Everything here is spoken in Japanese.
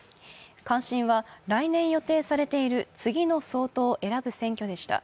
関心は来年予定されている次の総統を選ぶ選挙でした。